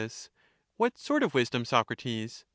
What sort of wisdom, Socrates?